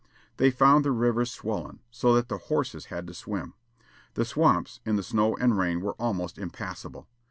They found the rivers swollen, so that the horses had to swim. The swamps, in the snow and rain, were almost impassable.